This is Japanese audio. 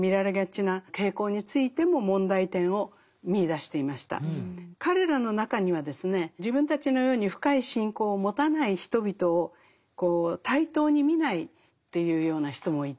それからまた彼らの中にはですね自分たちのように深い信仰を持たない人々をこう対等に見ないというような人もいて。